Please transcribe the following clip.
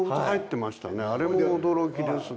あれも驚きですね。